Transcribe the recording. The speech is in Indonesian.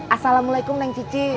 assalamualaikum neng cici